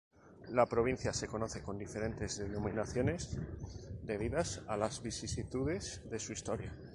La provincia se conoce con diferentes denominaciones, debidas a las vicisitudes de su historia.